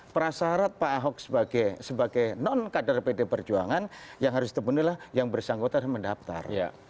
prasyarat pak ahok sebagai non kadar pdi perjuangan yang harus terbunuh adalah yang bersangkutan mendaftar